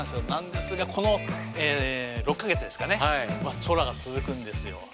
なんですがこの６か月ですかね「空」が続くんですよ。